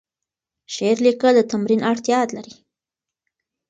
شعر لیکل د تمرین اړتیا لري.